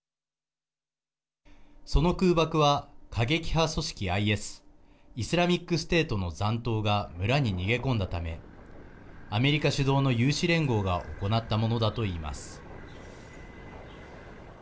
その空爆は過激派組織ＩＳ＝イスラミック・ステートの残党が村に逃げ込んだためアメリカ主導の有志連合が行ったものだといいます。